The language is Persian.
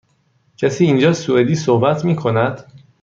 کسی اینجا سوئدی صحبت می کند؟